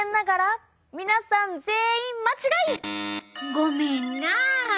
ごめんな。